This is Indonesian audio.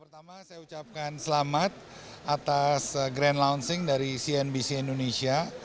pertama saya ucapkan selamat atas grand launching dari cnbc indonesia